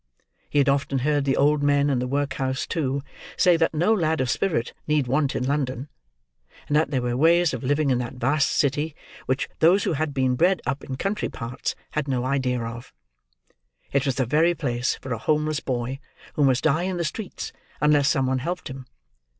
He had often heard the old men in the workhouse, too, say that no lad of spirit need want in London; and that there were ways of living in that vast city, which those who had been bred up in country parts had no idea of. It was the very place for a homeless boy, who must die in the streets unless some one helped him.